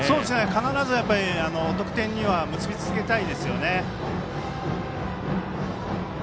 必ず、得点には結び付けたいですね。